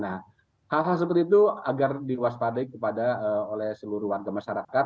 nah hal hal seperti itu agar diwaspadai kepada oleh seluruh warga masyarakat